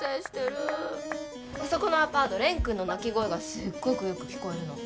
あそこのアパート蓮くんの泣き声がすっごくよく聞こえるの。